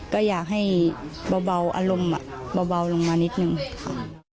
ก็อยากให้เบาอารมณ์เบาลงมานิดนึงค่ะ